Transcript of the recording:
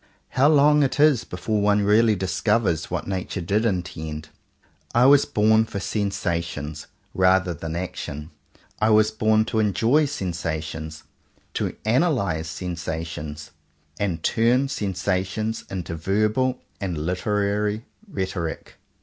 How long it is before one really discovers what nature did intend! I was born for sensations, rather than for action. I was born to enjoy sensations, to analyze sensations, and turn sensations into verbal and literary rhetoric.